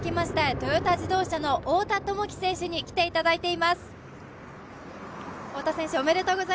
トヨタ自動車の太田智樹選手に来ていただいています。